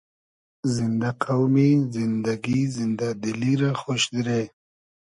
زیندۂ قۆمی ، زیندئگی ، زیندۂ دیلی رۂ خۉش دیرې